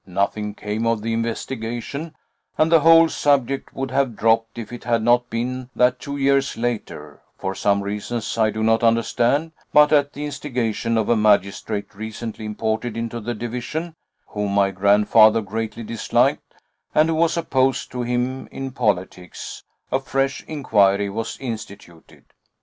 Nothing came of the investigation, and the whole subject would have dropped if it had not been that two years later, for some reasons I do not understand, but at the instigation of a magistrate recently imported into the division, whom my grandfather greatly disliked, and who was opposed to him in politics, a fresh inquiry was instituted.